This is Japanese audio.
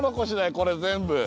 これ全部。